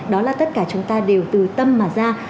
đó là tất cả chúng ta đều từ tâm mà ra